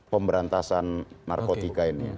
pemberantasan narkotika ini